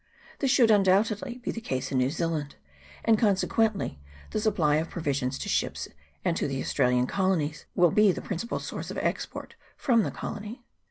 This should, undoubt edly, be the case in New Zealand, and, consequently, the supply of provisions to ships and to the Austra lian colonies will be the principal source of export from the colony.